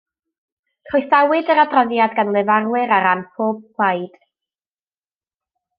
Croesawyd yr adroddiad gan lefarwyr ar ran pob plaid